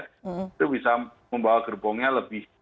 itu bisa membawa gerbongnya lebih